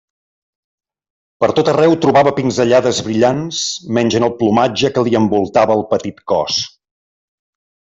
Per tot arreu trobava pinzellades brillants menys en el plomatge que li envoltava el petit cos.